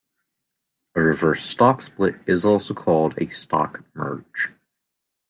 A reverse stock split is also called a stock merge.